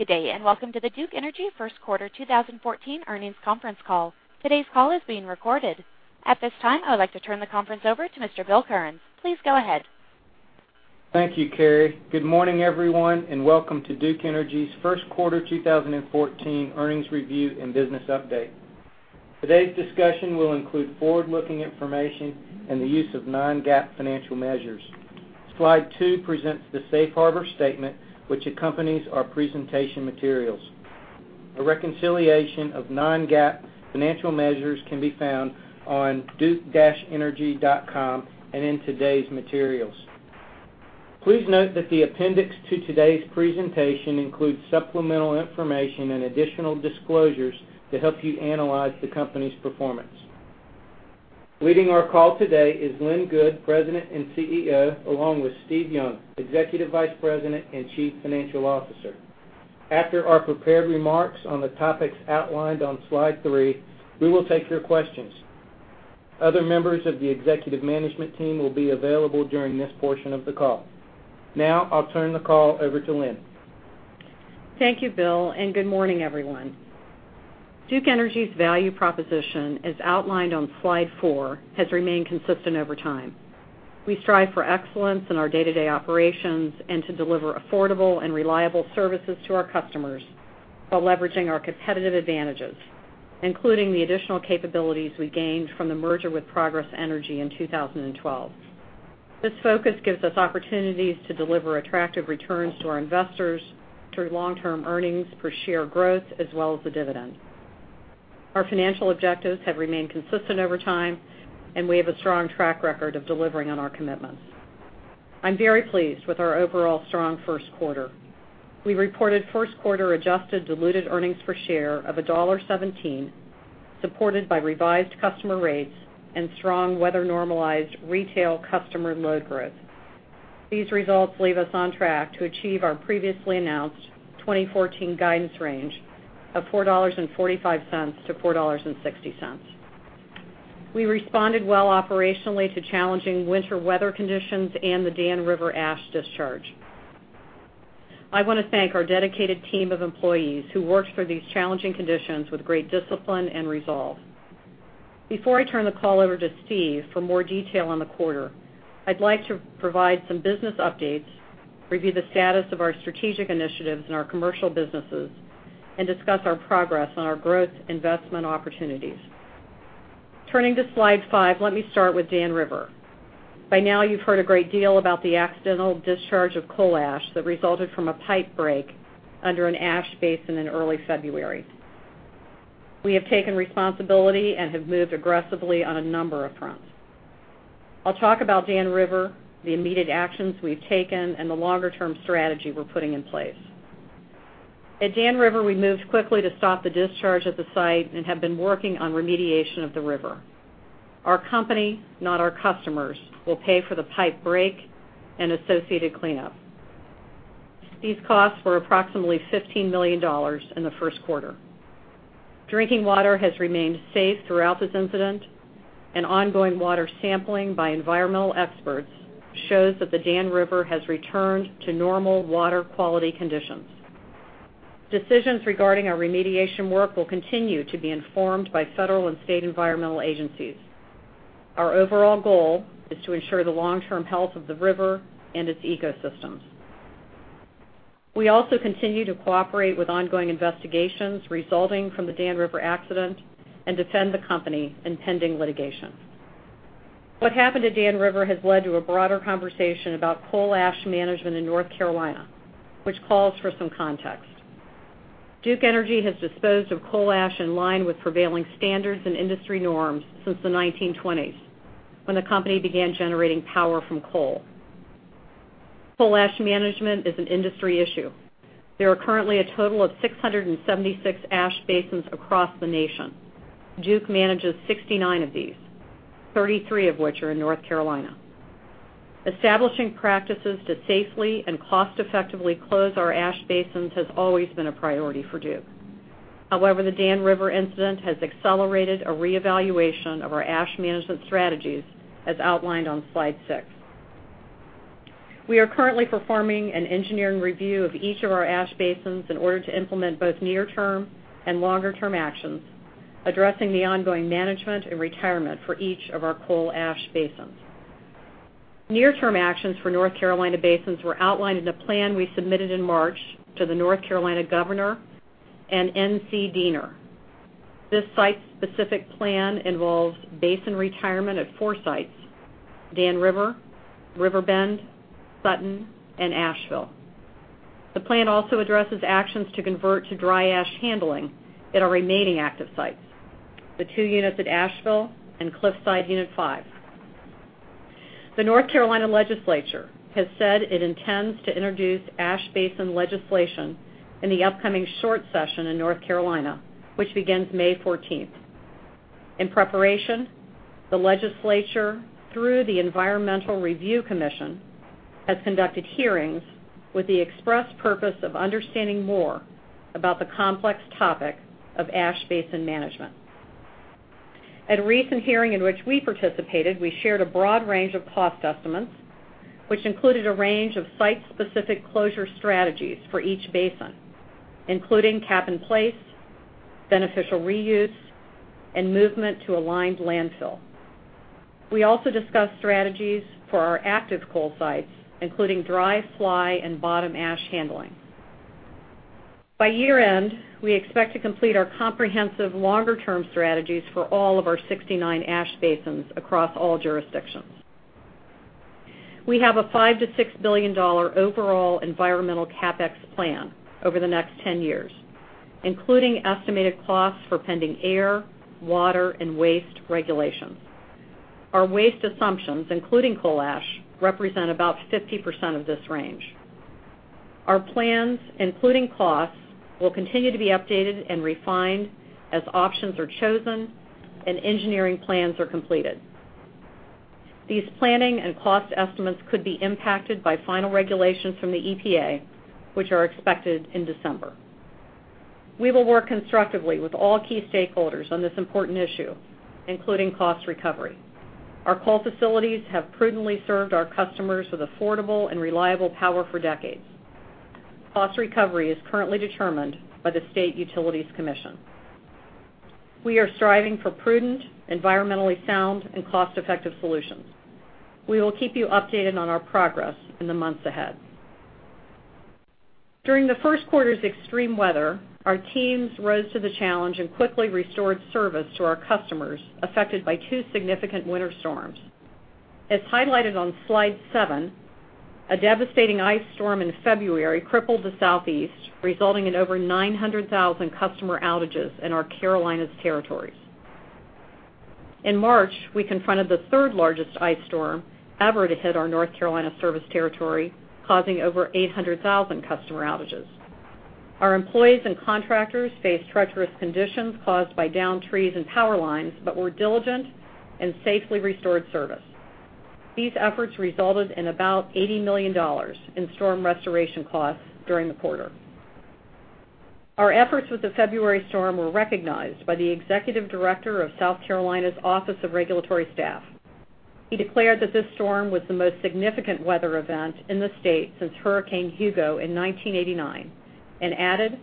Good day. Welcome to the Duke Energy first quarter 2014 earnings conference call. Today's call is being recorded. At this time, I would like to turn the conference over to Mr. Bill Currens. Please go ahead. Thank you, Carrie. Good morning, everyone. Welcome to Duke Energy's first quarter 2014 earnings review and business update. Today's discussion will include forward-looking information and the use of non-GAAP financial measures. Slide two presents the safe harbor statement which accompanies our presentation materials. A reconciliation of non-GAAP financial measures can be found on duke-energy.com and in today's materials. Please note that the appendix to today's presentation includes supplemental information and additional disclosures to help you analyze the company's performance. Leading our call today is Lynn Good, President and CEO, along with Steve Young, Executive Vice President and Chief Financial Officer. After our prepared remarks on the topics outlined on slide three, we will take your questions. Other members of the executive management team will be available during this portion of the call. I'll turn the call over to Lynn. Thank you, Bill. Good morning, everyone. Duke Energy's value proposition, as outlined on slide four, has remained consistent over time. We strive for excellence in our day-to-day operations and to deliver affordable and reliable services to our customers while leveraging our competitive advantages, including the additional capabilities we gained from the merger with Progress Energy in 2012. This focus gives us opportunities to deliver attractive returns to our investors through long-term earnings per share growth, as well as the dividend. Our financial objectives have remained consistent over time. We have a strong track record of delivering on our commitments. I'm very pleased with our overall strong first quarter. We reported first quarter adjusted diluted earnings per share of $1.17, supported by revised customer rates and strong weather-normalized retail customer load growth. These results leave us on track to achieve our previously announced 2014 guidance range of $4.45-$4.60. We responded well operationally to challenging winter weather conditions and the Dan River ash discharge. I want to thank our dedicated team of employees who worked through these challenging conditions with great discipline and resolve. Before I turn the call over to Steve for more detail on the quarter, I'd like to provide some business updates, review the status of our strategic initiatives in our commercial businesses, and discuss our progress on our growth investment opportunities. Turning to slide five, let me start with Dan River. By now, you've heard a great deal about the accidental discharge of coal ash that resulted from a pipe break under an ash basin in early February. We have taken responsibility. We have moved aggressively on a number of fronts. I'll talk about Dan River, the immediate actions we've taken, and the longer-term strategy we're putting in place. At Dan River, we moved quickly to stop the discharge at the site and have been working on remediation of the river. Our company, not our customers, will pay for the pipe break and associated cleanup. These costs were approximately $15 million in the first quarter. Drinking water has remained safe throughout this incident, and ongoing water sampling by environmental experts shows that the Dan River has returned to normal water quality conditions. Decisions regarding our remediation work will continue to be informed by federal and state environmental agencies. Our overall goal is to ensure the long-term health of the river and its ecosystems. We also continue to cooperate with ongoing investigations resulting from the Dan River accident and defend the company in pending litigation. What happened at Dan River has led to a broader conversation about coal ash management in North Carolina, which calls for some context. Duke Energy has disposed of coal ash in line with prevailing standards and industry norms since the 1920s, when the company began generating power from coal. Coal ash management is an industry issue. There are currently a total of 676 ash basins across the nation. Duke manages 69 of these, 33 of which are in North Carolina. Establishing practices to safely and cost-effectively close our ash basins has always been a priority for Duke. The Dan River incident has accelerated a reevaluation of our ash management strategies, as outlined on slide six. We are currently performing an engineering review of each of our ash basins in order to implement both near-term and longer-term actions, addressing the ongoing management and retirement for each of our coal ash basins. Near-term actions for North Carolina basins were outlined in a plan we submitted in March to the North Carolina governor and NC DENR. This site-specific plan involves basin retirement at four sites, Dan River, RiverBend, Sutton, and Asheville. The plan also addresses actions to convert to dry ash handling at our remaining active sites, the two units at Asheville and Cliffside Unit five. The North Carolina legislature has said it intends to introduce ash basin legislation in the upcoming short session in North Carolina, which begins May 14th. In preparation, the legislature, through the Environmental Review Commission, has conducted hearings with the express purpose of understanding more about the complex topic of ash basin management. At a recent hearing in which we participated, we shared a broad range of cost estimates, which included a range of site-specific closure strategies for each basin, including cap-in-place, beneficial reuse, and movement to a lined landfill. We also discussed strategies for our active coal sites, including dry, fly, and bottom ash handling. By year-end, we expect to complete our comprehensive longer-term strategies for all of our 69 ash basins across all jurisdictions. We have a $5 billion to $6 billion overall environmental CapEx plan over the next 10 years, including estimated costs for pending air, water, and waste regulations. Our waste assumptions, including coal ash, represent about 50% of this range. Our plans, including costs, will continue to be updated and refined as options are chosen and engineering plans are completed. These planning and cost estimates could be impacted by final regulations from the EPA, which are expected in December. We will work constructively with all key stakeholders on this important issue, including cost recovery. Our coal facilities have prudently served our customers with affordable and reliable power for decades. Cost recovery is currently determined by the State Utilities Commission. We are striving for prudent, environmentally sound, and cost-effective solutions. We will keep you updated on our progress in the months ahead. During the first quarter's extreme weather, our teams rose to the challenge and quickly restored service to our customers affected by two significant winter storms. As highlighted on slide seven, a devastating ice storm in February crippled the Southeast, resulting in over 900,000 customer outages in our Carolinas territories. In March, we confronted the third largest ice storm ever to hit our North Carolina service territory, causing over 800,000 customer outages. Our employees and contractors faced treacherous conditions caused by downed trees and power lines, but were diligent and safely restored service. These efforts resulted in about $80 million in storm restoration costs during the quarter. Our efforts with the February storm were recognized by the Executive Director of South Carolina's Office of Regulatory Staff. He declared that this storm was the most significant weather event in the state since Hurricane Hugo in 1989, and added,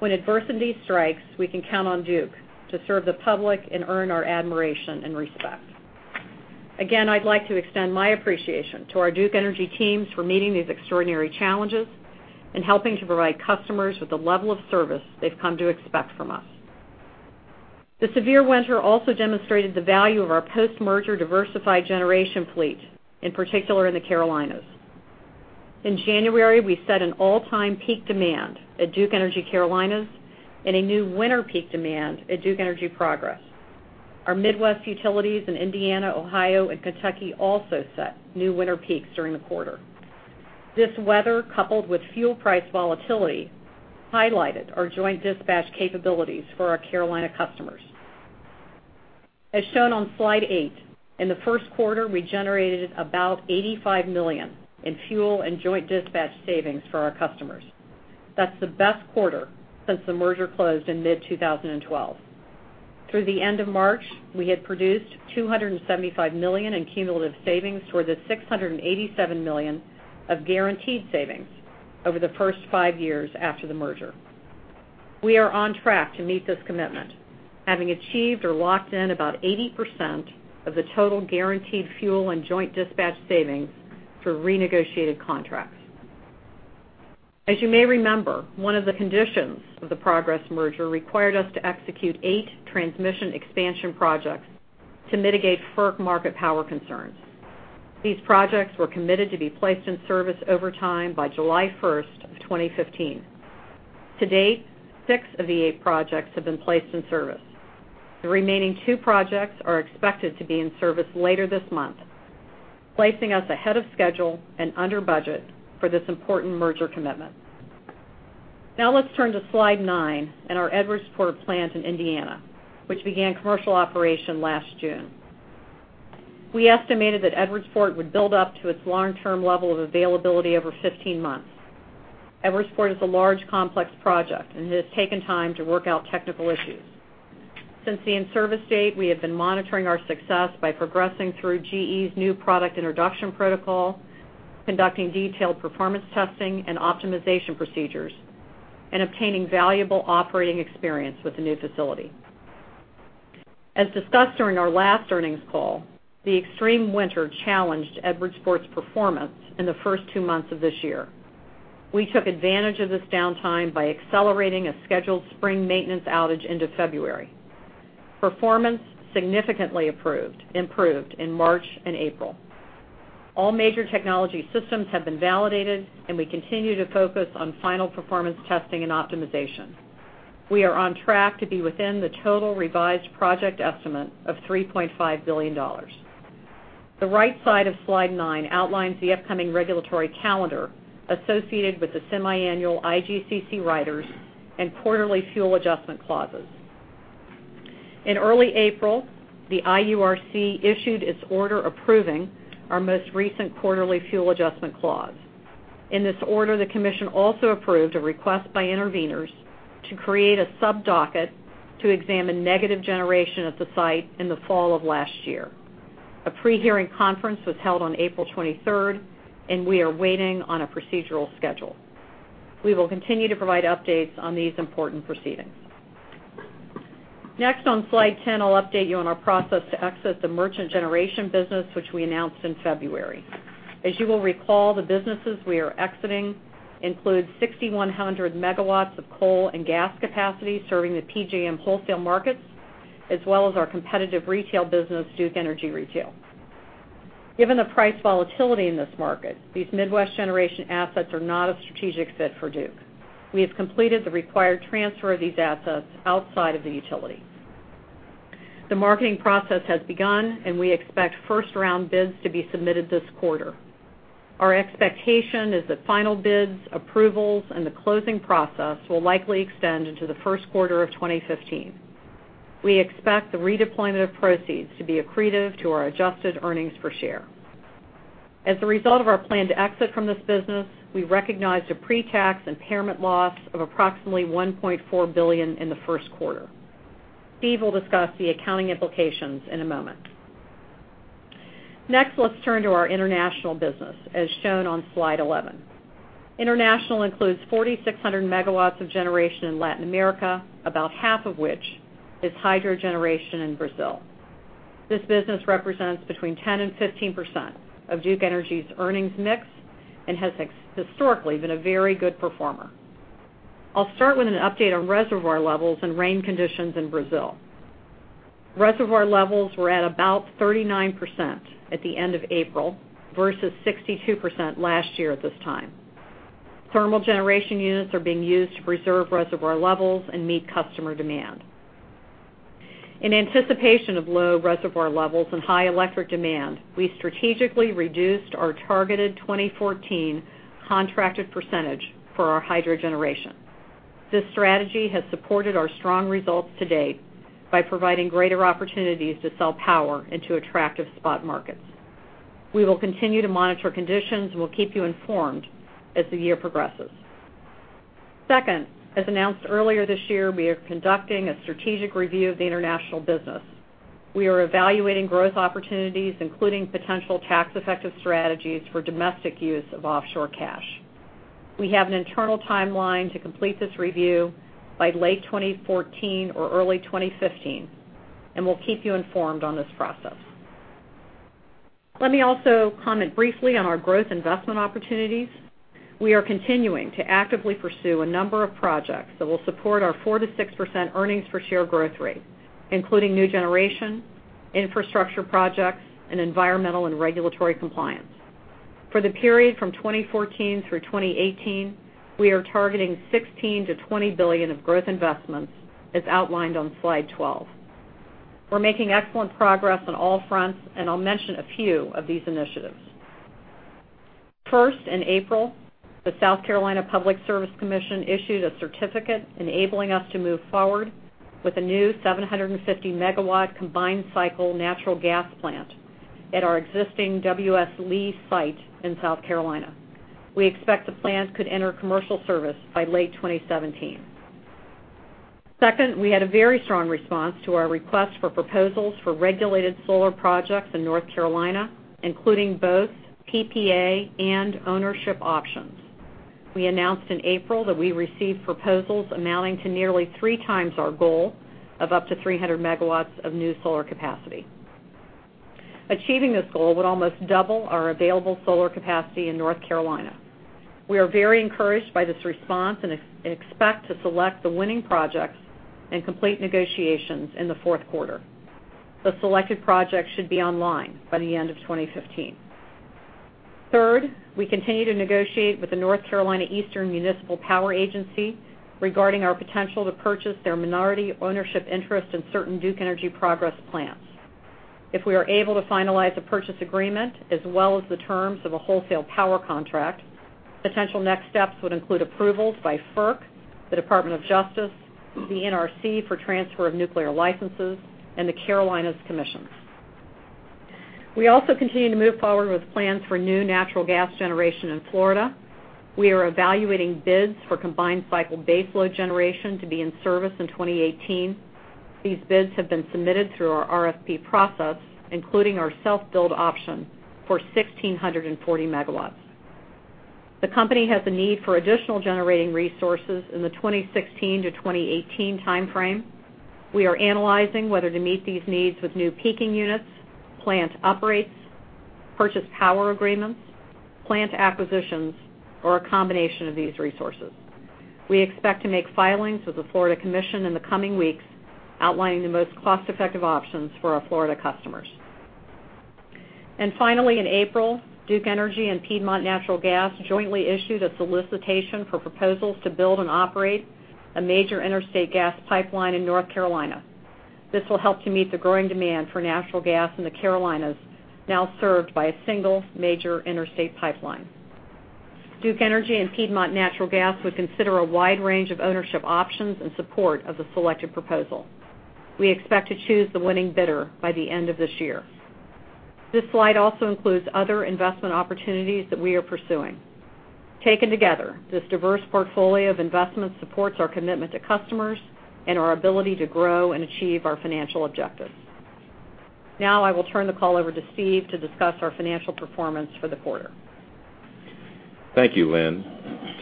"When adversity strikes, we can count on Duke to serve the public and earn our admiration and respect." Again, I'd like to extend my appreciation to our Duke Energy teams for meeting these extraordinary challenges and helping to provide customers with the level of service they've come to expect from us. The severe winter also demonstrated the value of our post-merger diversified generation fleet, in particular in the Carolinas. In January, we set an all-time peak demand at Duke Energy Carolinas and a new winter peak demand at Duke Energy Progress. Our Midwest utilities in Indiana, Ohio, and Kentucky also set new winter peaks during the quarter. This weather, coupled with fuel price volatility, highlighted our joint dispatch capabilities for our Carolina customers. As shown on slide eight, in the first quarter, we generated about $85 million in fuel and joint dispatch savings for our customers. That's the best quarter since the merger closed in mid-2012. Through the end of March, we had produced $275 million in cumulative savings toward the $687 million of guaranteed savings over the first five years after the merger. We are on track to meet this commitment, having achieved or locked in about 80% of the total guaranteed fuel and joint dispatch savings through renegotiated contracts. As you may remember, one of the conditions of the Progress merger required us to execute eight transmission expansion projects to mitigate FERC market power concerns. These projects were committed to be placed in service over time by July 1st of 2015. To date, six of the eight projects have been placed in service. The remaining two projects are expected to be in service later this month, placing us ahead of schedule and under budget for this important merger commitment. Now let's turn to slide nine and our Edwardsport plant in Indiana, which began commercial operation last June. Edwardsport is a large, complex project, and it has taken time to work out technical issues. Since the in-service date, we have been monitoring our success by progressing through GE's New Product Introduction protocol, conducting detailed performance testing and optimization procedures, and obtaining valuable operating experience with the new facility. As discussed during our last earnings call, the extreme winter challenged Edwardsport's performance in the first two months of this year. We took advantage of this downtime by accelerating a scheduled spring maintenance outage into February. Performance significantly improved in March and April. All major technology systems have been validated, and we continue to focus on final performance testing and optimization. We are on track to be within the total revised project estimate of $3.5 billion. The right side of slide nine outlines the upcoming regulatory calendar associated with the semiannual IGCC riders and quarterly fuel adjustment clauses. In early April, the IURC issued its order approving our most recent quarterly fuel adjustment clause. In this order, the commission also approved a request by interveners to create a sub-docket to examine negative generation at the site in the fall of last year. A pre-hearing conference was held on April 23rd, and we are waiting on a procedural schedule. We will continue to provide updates on these important proceedings. Next, on slide 10, I'll update you on our process to exit the merchant generation business, which we announced in February. As you will recall, the businesses we are exiting include 6,100 megawatts of coal and gas capacity serving the PJM wholesale markets, as well as our competitive retail business, Duke Energy Retail. Given the price volatility in this market, these Midwest generation assets are not a strategic fit for Duke. We have completed the required transfer of these assets outside of the utility. The marketing process has begun, and we expect first-round bids to be submitted this quarter. Our expectation is that final bids, approvals, and the closing process will likely extend into the first quarter of 2015. We expect the redeployment of proceeds to be accretive to our adjusted earnings per share. As a result of our plan to exit from this business, we recognized a pre-tax impairment loss of approximately $1.4 billion in the first quarter. Steve will discuss the accounting implications in a moment. Next, let's turn to our international business, as shown on slide 11. International includes 4,600 megawatts of generation in Latin America, about half of which is hydro generation in Brazil. This business represents between 10% and 15% of Duke Energy's earnings mix and has historically been a very good performer. I'll start with an update on reservoir levels and rain conditions in Brazil. Reservoir levels were at about 39% at the end of April versus 62% last year at this time. Thermal generation units are being used to preserve reservoir levels and meet customer demand. In anticipation of low reservoir levels and high electric demand, we strategically reduced our targeted 2014 contracted percentage for our hydro generation. This strategy has supported our strong results to date by providing greater opportunities to sell power into attractive spot markets. We will continue to monitor conditions, and we'll keep you informed as the year progresses. Second, as announced earlier this year, we are conducting a strategic review of the international business. We are evaluating growth opportunities, including potential tax-effective strategies for domestic use of offshore cash. We have an internal timeline to complete this review by late 2014 or early 2015, and we'll keep you informed on this process. Let me also comment briefly on our growth investment opportunities. We are continuing to actively pursue a number of projects that will support our 4%-6% earnings per share growth rate, including new generation, infrastructure projects, and environmental and regulatory compliance. For the period from 2014 through 2018, we are targeting $16 billion-$20 billion of growth investments, as outlined on slide 12. We're making excellent progress on all fronts, and I'll mention a few of these initiatives. First, in April, the South Carolina Public Service Commission issued a certificate enabling us to move forward with a new 750-megawatt combined-cycle natural gas plant at our existing W. S. Lee site in South Carolina. We expect the plant could enter commercial service by late 2017. We had a very strong response to our request for proposals for regulated solar projects in North Carolina, including both PPA and ownership options. We announced in April that we received proposals amounting to nearly three times our goal of up to 300 megawatts of new solar capacity. Achieving this goal would almost double our available solar capacity in North Carolina. We are very encouraged by this response and expect to select the winning projects and complete negotiations in the fourth quarter. The selected projects should be online by the end of 2015. We continue to negotiate with the North Carolina Eastern Municipal Power Agency regarding our potential to purchase their minority ownership interest in certain Duke Energy Progress plants. If we are able to finalize a purchase agreement as well as the terms of a wholesale power contract, potential next steps would include approvals by FERC, the Department of Justice, the NRC for transfer of nuclear licenses, and the Carolinas commissions. We also continue to move forward with plans for new natural gas generation in Florida. We are evaluating bids for combined-cycle baseload generation to be in service in 2018. These bids have been submitted through our RFP process, including our self-build option for 1,640 megawatts. The company has a need for additional generating resources in the 2016 to 2018 timeframe. We are analyzing whether to meet these needs with new peaking units, plant uprates, purchase power agreements, plant acquisitions, or a combination of these resources. We expect to make filings with the Florida Commission in the coming weeks outlining the most cost-effective options for our Florida customers. Finally, in April, Duke Energy and Piedmont Natural Gas jointly issued a solicitation for proposals to build and operate a major interstate gas pipeline in North Carolina. This will help to meet the growing demand for natural gas in the Carolinas, now served by a single major interstate pipeline. Duke Energy and Piedmont Natural Gas would consider a wide range of ownership options in support of the selected proposal. We expect to choose the winning bidder by the end of this year. This slide also includes other investment opportunities that we are pursuing. Taken together, this diverse portfolio of investments supports our commitment to customers and our ability to grow and achieve our financial objectives. Now I will turn the call over to Steve to discuss our financial performance for the quarter. Thank you, Lynn.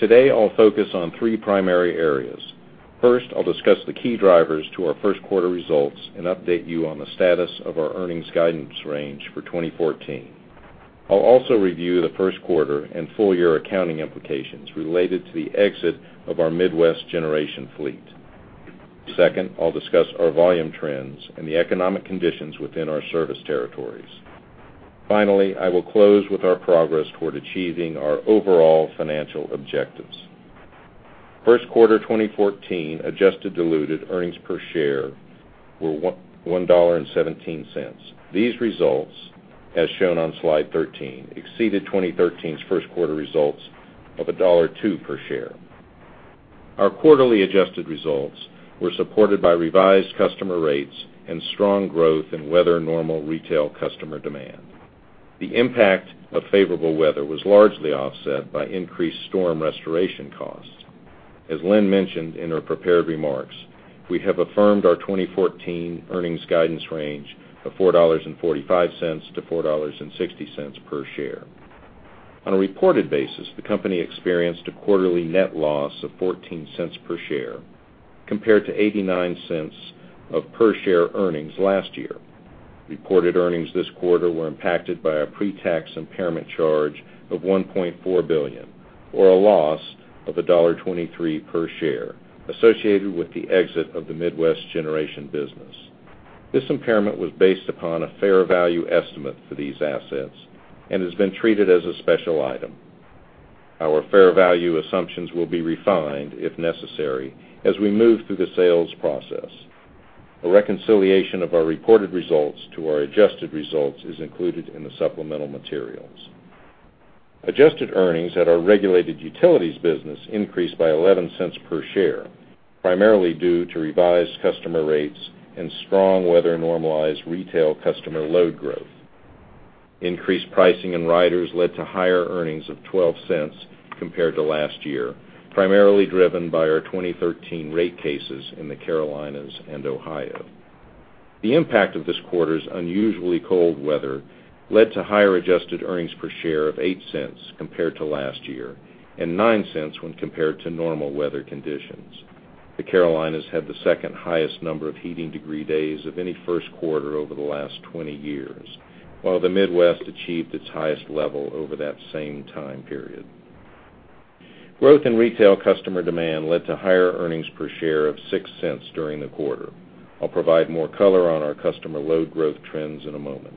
Today, I'll focus on three primary areas. First, I'll discuss the key drivers to our first quarter results and update you on the status of our earnings guidance range for 2014. I'll also review the first quarter and full year accounting implications related to the exit of our Midwest Generation fleet. Second, I'll discuss our volume trends and the economic conditions within our service territories. Finally, I will close with our progress toward achieving our overall financial objectives. First quarter 2014 adjusted diluted earnings per share were $1.17. These results, as shown on slide 13, exceeded 2013's first quarter results of $1.02 per share. Our quarterly adjusted results were supported by revised customer rates and strong growth in weather normal retail customer demand. The impact of favorable weather was largely offset by increased storm restoration costs. As Lynn mentioned in her prepared remarks, we have affirmed our 2014 earnings guidance range of $4.45-$4.60 per share. On a reported basis, the company experienced a quarterly net loss of $0.14 per share compared to $0.89 of per share earnings last year. Reported earnings this quarter were impacted by a pre-tax impairment charge of $1.4 billion, or a loss of $1.23 per share, associated with the exit of the Midwest Generation business. This impairment was based upon a fair value estimate for these assets and has been treated as a special item. Our fair value assumptions will be refined, if necessary, as we move through the sales process. A reconciliation of our reported results to our adjusted results is included in the supplemental materials. Adjusted earnings at our regulated utilities business increased by $0.11 per share, primarily due to revised customer rates and strong weather-normalized retail customer load growth. Increased pricing and riders led to higher earnings of $0.12 compared to last year, primarily driven by our 2013 rate cases in the Carolinas and Ohio. The impact of this quarter's unusually cold weather led to higher adjusted earnings per share of $0.08 compared to last year, and $0.09 when compared to normal weather conditions. The Carolinas had the second highest number of heating degree days of any first quarter over the last 20 years, while the Midwest achieved its highest level over that same time period. Growth in retail customer demand led to higher earnings per share of $0.06 during the quarter. I'll provide more color on our customer load growth trends in a moment.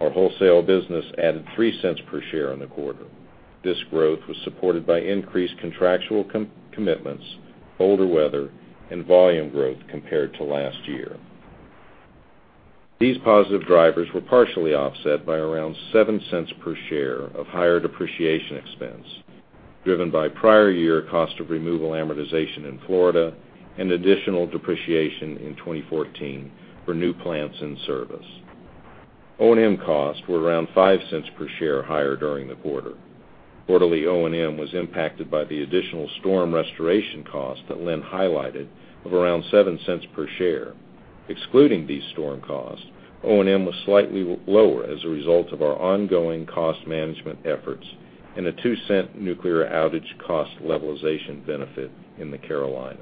Our wholesale business added $0.03 per share in the quarter. This growth was supported by increased contractual commitments, older weather, and volume growth compared to last year. These positive drivers were partially offset by around $0.07 per share of higher depreciation expense, driven by prior year cost of removal amortization in Florida and additional depreciation in 2014 for new plants and service. O&M costs were around $0.05 per share higher during the quarter. Quarterly O&M was impacted by the additional storm restoration costs that Lynn highlighted of around $0.07 per share. Excluding these storm costs, O&M was slightly lower as a result of our ongoing cost management efforts and a $0.02 nuclear outage cost levelization benefit in the Carolinas.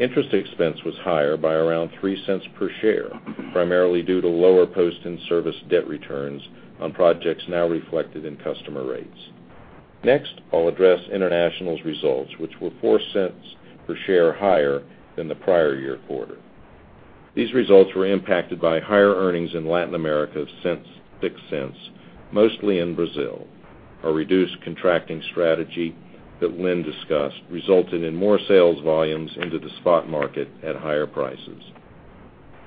Interest expense was higher by around $0.03 per share, primarily due to lower post-in-service debt returns on projects now reflected in customer rates. I'll address International's results, which were $0.04 per share higher than the prior year quarter. These results were impacted by higher earnings in Latin America of $0.06, mostly in Brazil. A reduced contracting strategy that Lynn discussed resulted in more sales volumes into the spot market at higher prices.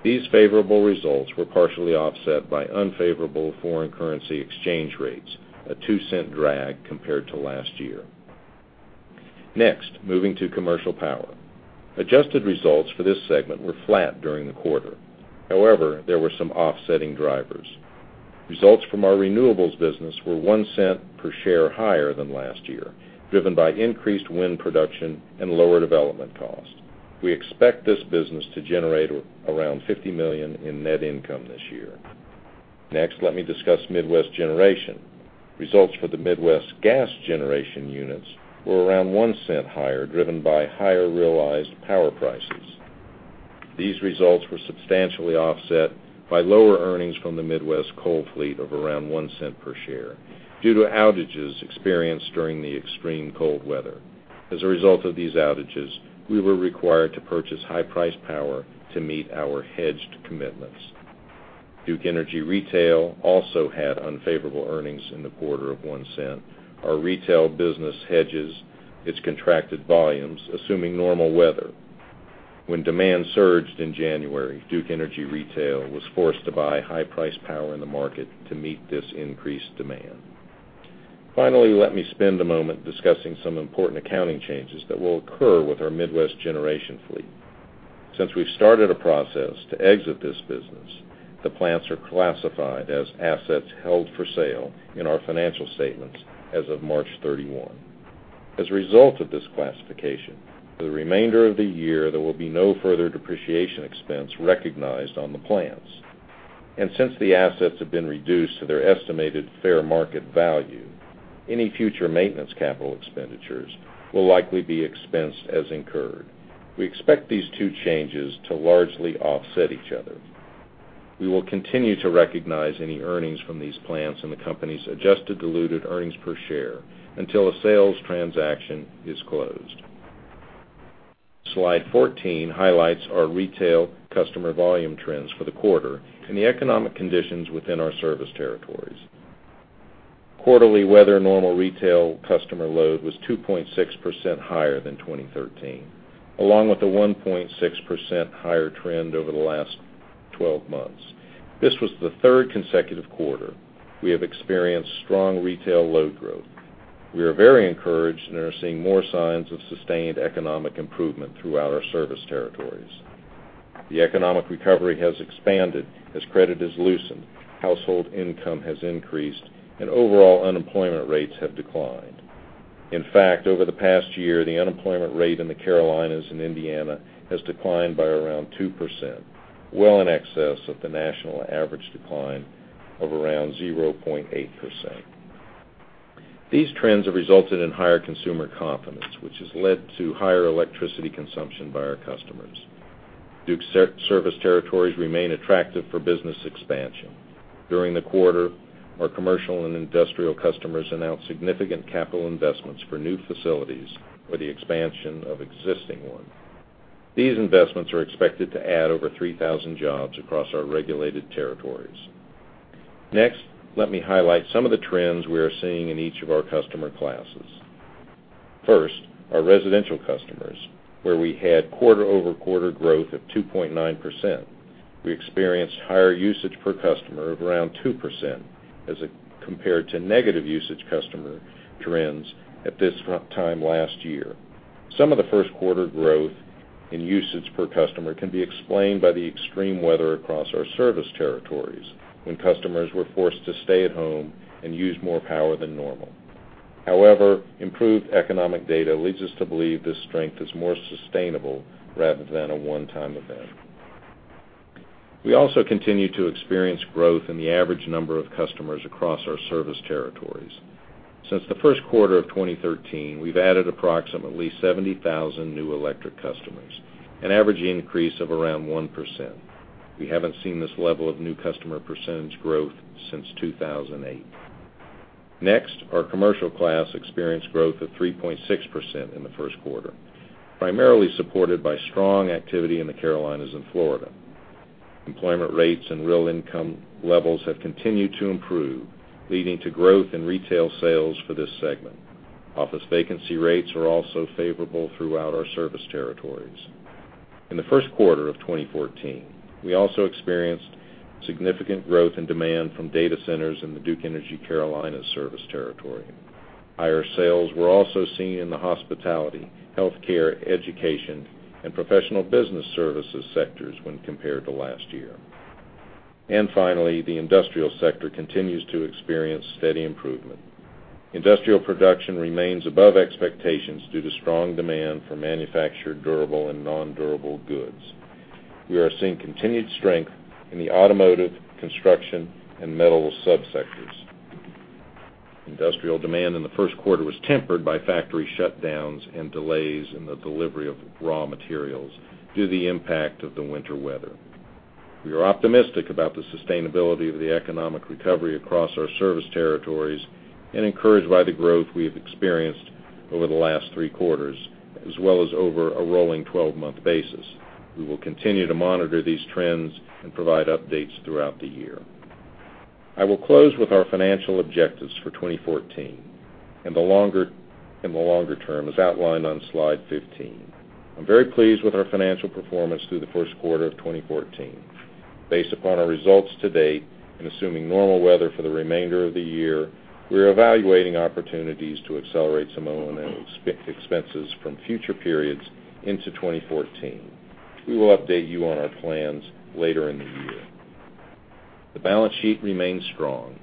These favorable results were partially offset by unfavorable foreign currency exchange rates, a $0.02 drag compared to last year. Moving to Commercial Power. Adjusted results for this segment were flat during the quarter. However, there were some offsetting drivers. Results from our renewables business were $0.01 per share higher than last year, driven by increased wind production and lower development costs. We expect this business to generate around $50 million in net income this year. Let me discuss Midwest Generation. Results for the Midwest gas generation units were around $0.01 higher, driven by higher realized power prices. These results were substantially offset by lower earnings from the Midwest coal fleet of around $0.01 per share due to outages experienced during the extreme cold weather. As a result of these outages, we were required to purchase high price power to meet our hedged commitments. Duke Energy Retail also had unfavorable earnings in the quarter of $0.01. Our retail business hedges its contracted volumes, assuming normal weather. When demand surged in January, Duke Energy Retail was forced to buy high-priced power in the market to meet this increased demand. Let me spend a moment discussing some important accounting changes that will occur with our Midwest Generation fleet. Since we've started a process to exit this business, the plants are classified as assets held for sale in our financial statements as of March 31. As a result of this classification, for the remainder of the year, there will be no further depreciation expense recognized on the plants. Since the assets have been reduced to their estimated fair market value, any future maintenance capital expenditures will likely be expensed as incurred. We expect these two changes to largely offset each other. We will continue to recognize any earnings from these plants in the company's adjusted diluted earnings per share, until a sales transaction is closed. Slide 14 highlights our retail customer volume trends for the quarter and the economic conditions within our service territories. Quarterly weather normal retail customer load was 2.6% higher than 2013, along with a 1.6% higher trend over the last 12 months. This was the third consecutive quarter we have experienced strong retail load growth. We are very encouraged and are seeing more signs of sustained economic improvement throughout our service territories. The economic recovery has expanded as credit has loosened, household income has increased, and overall unemployment rates have declined. In fact, over the past year, the unemployment rate in the Carolinas and Indiana has declined by around 2%, well in excess of the national average decline of around 0.8%. These trends have resulted in higher consumer confidence, which has led to higher electricity consumption by our customers. Duke's service territories remain attractive for business expansion. During the quarter, our commercial and industrial customers announced significant capital investments for new facilities or the expansion of existing ones. These investments are expected to add over 3,000 jobs across our regulated territories. Let me highlight some of the trends we are seeing in each of our customer classes. First, our residential customers, where we had quarter-over-quarter growth of 2.9%. We experienced higher usage per customer of around 2% as compared to negative usage customer trends at this time last year. Some of the first quarter growth in usage per customer can be explained by the extreme weather across our service territories when customers were forced to stay at home and use more power than normal. However, improved economic data leads us to believe this strength is more sustainable rather than a one-time event. We also continue to experience growth in the average number of customers across our service territories. Since the first quarter of 2013, we've added approximately 70,000 new electric customers, an average increase of around 1%. We haven't seen this level of new customer percentage growth since 2008. Our commercial class experienced growth of 3.6% in the first quarter, primarily supported by strong activity in the Carolinas and Florida. Employment rates and real income levels have continued to improve, leading to growth in retail sales for this segment. Office vacancy rates are also favorable throughout our service territories. In the first quarter of 2014, we also experienced significant growth in demand from data centers in the Duke Energy Carolina service territory. Higher sales were also seen in the hospitality, healthcare, education, and professional business services sectors when compared to last year. Finally, the industrial sector continues to experience steady improvement. Industrial production remains above expectations due to strong demand for manufactured durable and non-durable goods. We are seeing continued strength in the automotive, construction, and metal sub-sectors. Industrial demand in the first quarter was tempered by factory shutdowns and delays in the delivery of raw materials due to the impact of the winter weather. We are optimistic about the sustainability of the economic recovery across our service territories and encouraged by the growth we have experienced over the last three quarters, as well as over a rolling 12-month basis. We will continue to monitor these trends and provide updates throughout the year. I will close with our financial objectives for 2014 and the longer term, as outlined on slide 15. I'm very pleased with our financial performance through the first quarter of 2014. Based upon our results to date and assuming normal weather for the remainder of the year, we are evaluating opportunities to accelerate some O&M expenses from future periods into 2014. We will update you on our plans later in the year. The balance sheet remains strong.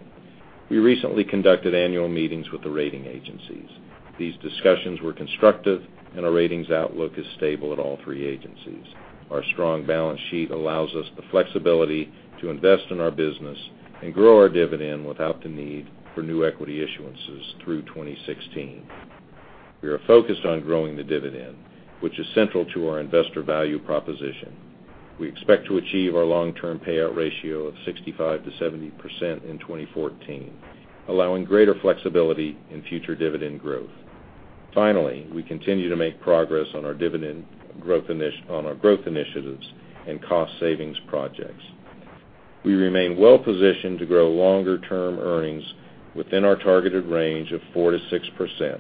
We recently conducted annual meetings with the rating agencies. These discussions were constructive, and our ratings outlook is stable at all three agencies. Our strong balance sheet allows us the flexibility to invest in our business and grow our dividend without the need for new equity issuances through 2016. We are focused on growing the dividend, which is central to our investor value proposition. We expect to achieve our long-term payout ratio of 65%-70% in 2014, allowing greater flexibility in future dividend growth. Finally, we continue to make progress on our growth initiatives and cost savings projects. We remain well positioned to grow longer-term earnings within our targeted range of 4%-6%.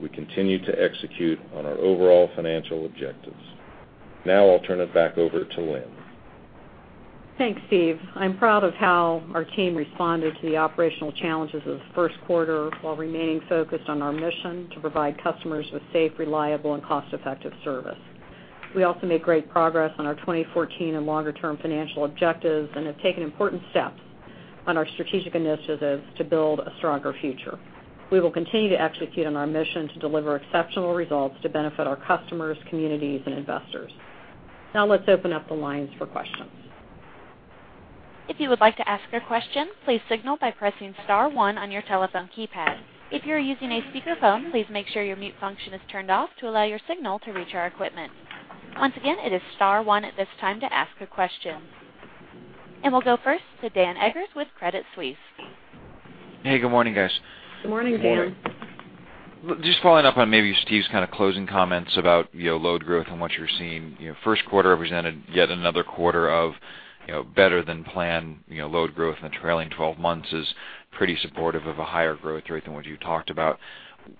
We continue to execute on our overall financial objectives. I'll turn it back over to Lynn. Thanks, Steve. I'm proud of how our team responded to the operational challenges of the first quarter, while remaining focused on our mission to provide customers with safe, reliable, and cost-effective service. We also made great progress on our 2014 and longer-term financial objectives and have taken important steps on our strategic initiatives to build a stronger future. We will continue to execute on our mission to deliver exceptional results to benefit our customers, communities, and investors. Now let's open up the lines for questions. If you would like to ask a question, please signal by pressing *1 on your telephone keypad. If you're using a speakerphone, please make sure your mute function is turned off to allow your signal to reach our equipment. Once again, it is *1 at this time to ask a question. We'll go first to Dan Eggers with Credit Suisse. Hey, good morning, guys. Good morning, Dan. Good morning. Just following up on maybe Steve's closing comments about load growth and what you're seeing. First quarter represented yet another quarter of better-than-planned load growth, and the trailing 12 months is pretty supportive of a higher growth rate than what you talked about.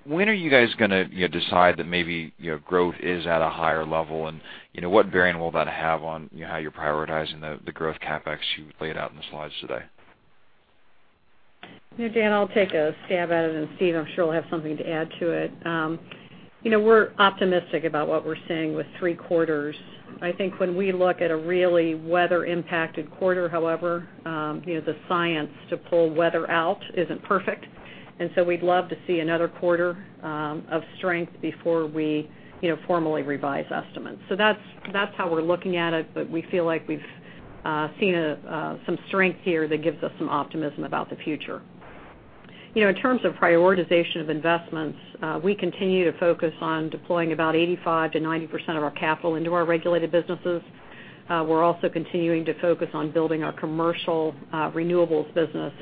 When are you guys going to decide that maybe growth is at a higher level, and what bearing will that have on how you're prioritizing the growth CapEx you laid out in the slides today? Dan, I'll take a stab at it, and Steve, I'm sure, will have something to add to it. We're optimistic about what we're seeing with three quarters. I think when we look at a really weather-impacted quarter, however, the science to pull weather out isn't perfect, we'd love to see another quarter of strength before we formally revise estimates. That's how we're looking at it, but we feel like we've seen some strength here that gives us some optimism about the future. In terms of prioritization of investments, we continue to focus on deploying about 85%-90% of our capital into our regulated businesses. We're also continuing to focus on building our commercial renewables business.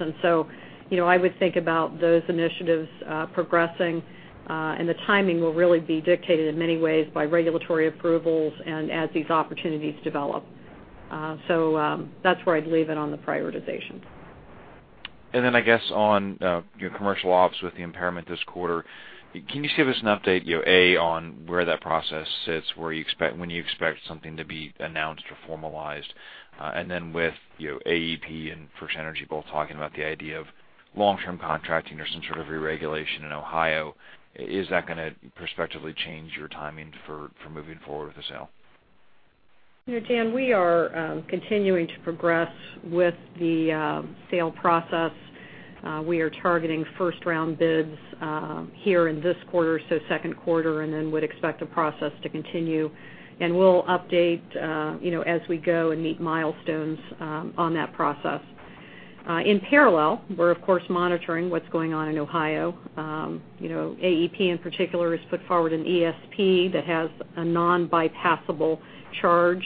I would think about those initiatives progressing, and the timing will really be dictated in many ways by regulatory approvals and as these opportunities develop. That's where I'd leave it on the prioritization. I guess on your commercial ops with the impairment this quarter, can you give us an update, A, on where that process sits, when you expect something to be announced or formalized? With AEP and FirstEnergy both talking about the idea of long-term contracting or some sort of reregulation in Ohio, is that going to prospectively change your timing for moving forward with the sale? Dan, we are continuing to progress with the sale process. We are targeting first-round bids here in this quarter, so second quarter, would expect the process to continue. We'll update as we go and meet milestones on that process. In parallel, we're of course monitoring what's going on in Ohio. AEP in particular has put forward an ESP that has a non-bypassable charge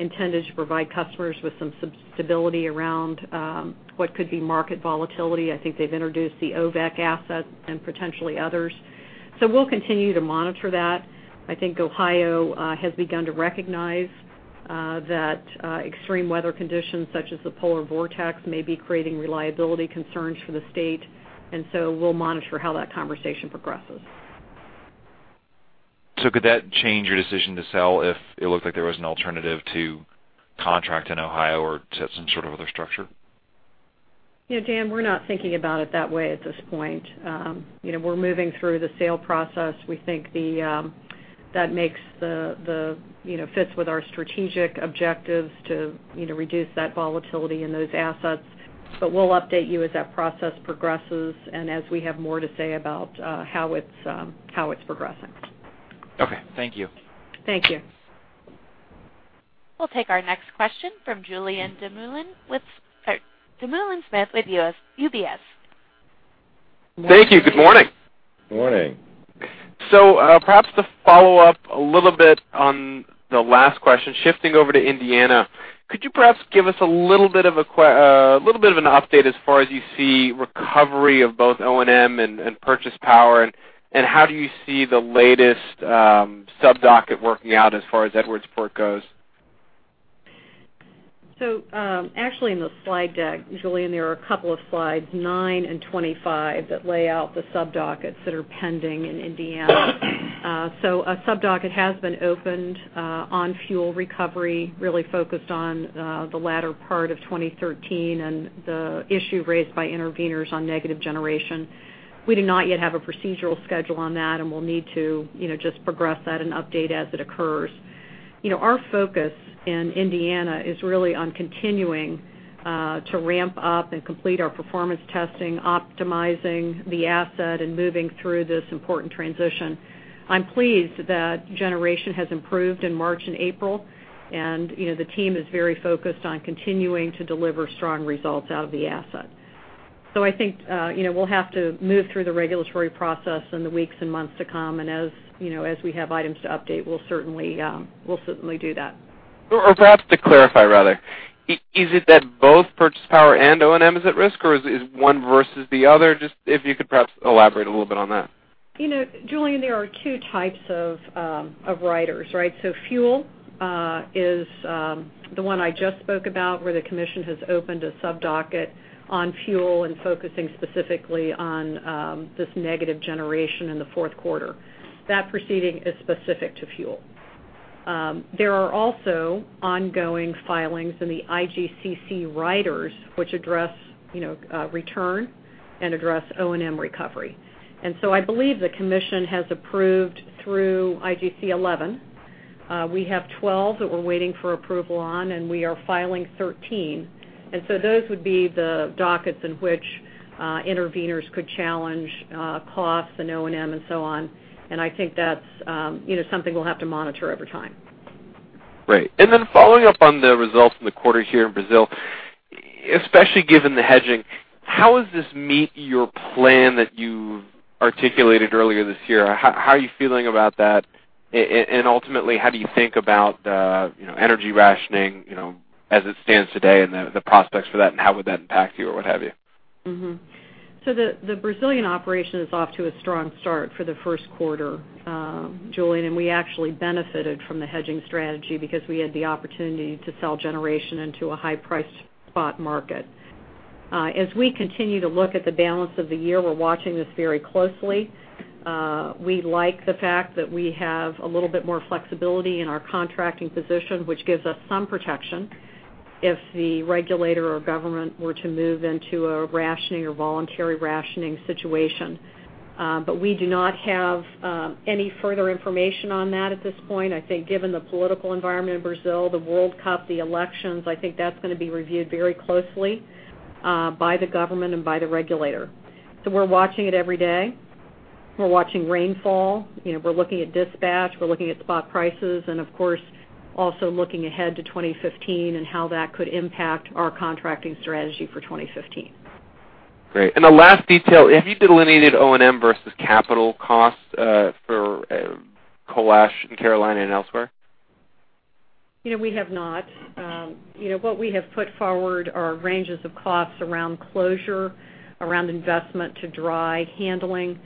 intended to provide customers with some stability around what could be market volatility. I think they've introduced the OHVAC asset and potentially others. We'll continue to monitor that. I think Ohio has begun to recognize that extreme weather conditions such as the polar vortex may be creating reliability concerns for the state, we'll monitor how that conversation progresses. Could that change your decision to sell if it looked like there was an alternative to contract in Ohio or some sort of other structure? Dan, we're not thinking about it that way at this point. We're moving through the sale process. We think that fits with our strategic objectives to reduce that volatility in those assets. We'll update you as that process progresses and as we have more to say about how it's progressing. Okay. Thank you. Thank you. We'll take our next question from Julien Dumoulin-Smith with UBS. Thank you. Good morning. Good morning. Perhaps to follow up a little bit on the last question, shifting over to Indiana, could you perhaps give us a little bit of an update as far as you see recovery of both O&M and purchase power, and how do you see the latest sub docket working out as far as Edwardsport goes? Actually in the slide deck, Julien, there are a couple of slides, nine and 25, that lay out the sub dockets that are pending in Indiana. A sub docket has been opened on fuel recovery, really focused on the latter part of 2013 and the issue raised by interveners on negative generation. We do not yet have a procedural schedule on that, and we'll need to just progress that and update as it occurs. Our focus in Indiana is really on continuing to ramp up and complete our performance testing, optimizing the asset, and moving through this important transition. I'm pleased that generation has improved in March and April, and the team is very focused on continuing to deliver strong results out of the asset. I think we'll have to move through the regulatory process in the weeks and months to come, and as we have items to update, we'll certainly do that. To clarify, rather, is it that both purchase power and O&M is at risk, or is one versus the other? Just if you could perhaps elaborate a little bit on that. Julien, there are two types of riders, right? Fuel is the one I just spoke about, where the commission has opened a sub-docket on fuel and focusing specifically on this negative generation in the fourth quarter. That proceeding is specific to fuel. There are also ongoing filings in the IGCC riders, which address return and address O&M recovery. I believe the commission has approved through IGC 11. We have 12 that we're waiting for approval on, and we are filing 13. Those would be the dockets in which interveners could challenge costs and O&M and so on. I think that's something we'll have to monitor over time. Great. Following up on the results in the quarter here in Brazil, especially given the hedging, how does this meet your plan that you've articulated earlier this year? How are you feeling about that? Ultimately, how do you think about the energy rationing as it stands today and the prospects for that, and how would that impact you or what have you? The Brazilian operation is off to a strong start for the first quarter, Julien, and we actually benefited from the hedging strategy because we had the opportunity to sell generation into a high-priced spot market. As we continue to look at the balance of the year, we're watching this very closely. We like the fact that we have a little bit more flexibility in our contracting position, which gives us some protection if the regulator or government were to move into a rationing or voluntary rationing situation. We do not have any further information on that at this point. I think given the political environment in Brazil, the World Cup, the elections, I think that's going to be reviewed very closely by the government and by the regulator. We're watching it every day. We're watching rainfall. We are looking at dispatch, we are looking at spot prices, Of course, also looking ahead to 2015 and how that could impact our contracting strategy for 2015. Great. The last detail, have you delineated O&M versus capital costs for coal ash in Carolina and elsewhere? We have not. What we have put forward are ranges of costs around closure, around investment to dry handling.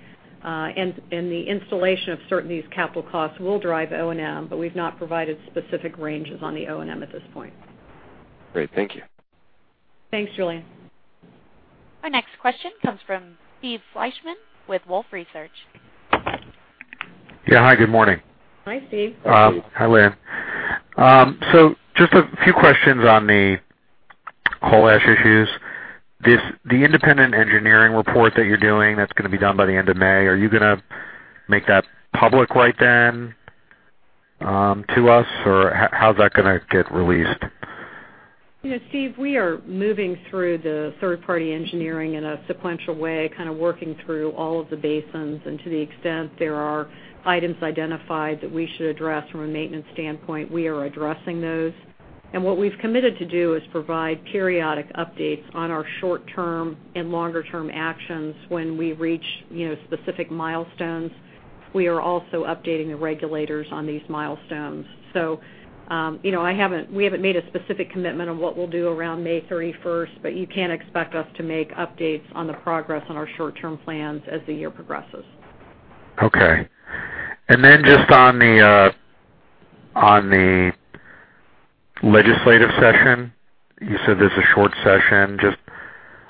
The installation of certain of these capital costs will drive O&M, but we've not provided specific ranges on the O&M at this point. Great. Thank you. Thanks, Julien. Our next question comes from Steve Fleishman with Wolfe Research. Yeah. Hi, good morning. Hi, Steve. Hi, Lynn. Just a few questions on the coal ash issues. The independent engineering report that you're doing, that's going to be done by the end of May, are you going to make that public right then to us, or how's that going to get released? Steve, we are moving through the third-party engineering in a sequential way, kind of working through all of the basins. To the extent there are items identified that we should address from a maintenance standpoint, we are addressing those. What we've committed to do is provide periodic updates on our short-term and longer-term actions when we reach specific milestones. We are also updating the regulators on these milestones. We haven't made a specific commitment on what we'll do around May 31st, but you can expect us to make updates on the progress on our short-term plans as the year progresses. Okay. Just on the legislative session, you said there's a short session. Just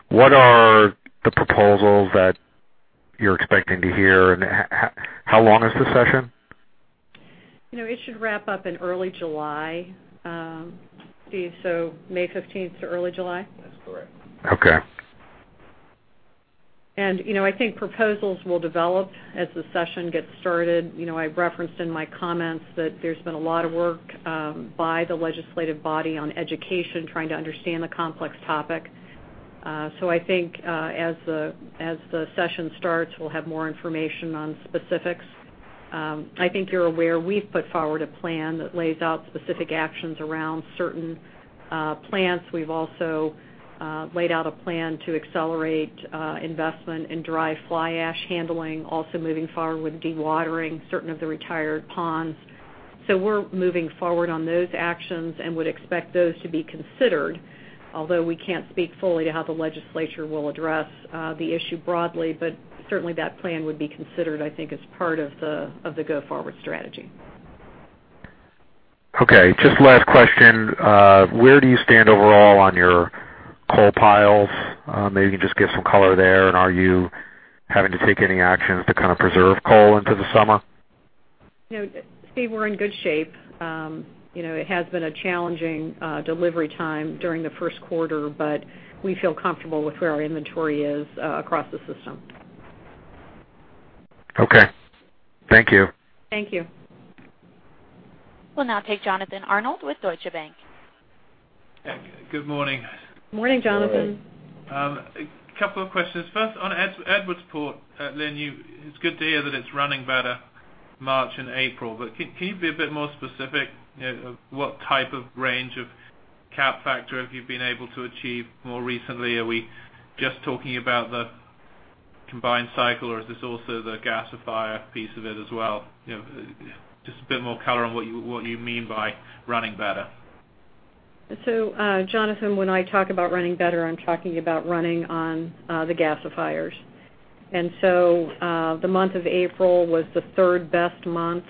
what are the proposals that you're expecting to hear, and how long is the session? It should wrap up in early July. Steve, May 15th to early July? That's correct. Okay. I think proposals will develop as the session gets started. I referenced in my comments that there's been a lot of work by the legislative body on education, trying to understand the complex topic. I think as the session starts, we'll have more information on specifics. I think you're aware we've put forward a plan that lays out specific actions around certain plants. We've also laid out a plan to accelerate investment in dry fly ash handling, also moving forward with dewatering certain of the retired ponds. We're moving forward on those actions and would expect those to be considered, although we can't speak fully to how the legislature will address the issue broadly. Certainly, that plan would be considered, I think, as part of the go-forward strategy. Okay, just last question. Where do you stand overall on your coal piles? Maybe you can just give some color there, and are you having to take any actions to kind of preserve coal into the summer? Steve, we're in good shape. It has been a challenging delivery time during the first quarter, but we feel comfortable with where our inventory is across the system. Okay. Thank you. Thank you. We'll now take Jonathan Arnold with Deutsche Bank. Good morning. Morning, Jonathan. Morning. A couple of questions. First, on Edwardsport, Lynn, it's good to hear that it's running better March and April. Can you be a bit more specific? What type of range of cap factor have you been able to achieve more recently? Are we just talking about the combined-cycle, or is this also the gasifier piece of it as well? Just a bit more color on what you mean by running better. Jonathan, when I talk about running better, I'm talking about running on the gasifiers. The month of April was the third-best month